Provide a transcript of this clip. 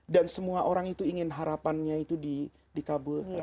dan semua orang itu ingin harapannya itu dikabulkan